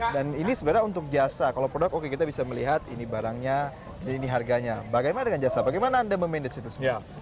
dan ini sebenarnya untuk jasa kalau produk oke kita bisa melihat ini barangnya ini harganya bagaimana dengan jasa bagaimana anda memanage itu semua